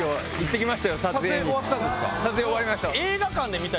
撮影終わりました。